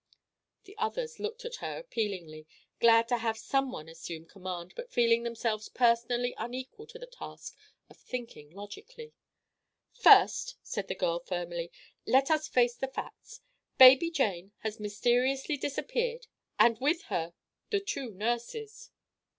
The others looked at her appealingly, glad to have some one assume command but feeling themselves personally unequal to the task of thinking logically. "First," said the girl, firmly, "let us face the facts. Baby Jane has mysteriously disappeared, and with her the two nurses."